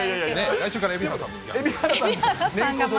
来週から蛯原さんも。